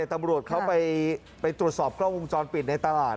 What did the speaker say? ตำรวจเขาไปตรวจสอบกล้องวงจรปิดในตลาด